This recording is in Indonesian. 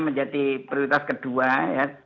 menjadi prioritas kedua ya